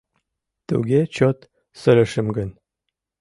Туге чот сырышым гын!